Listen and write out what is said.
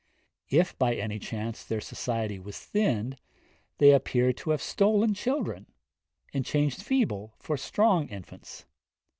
If by any chance their society was thinned, they appear to have stolen children, and changed feeble for strong infants.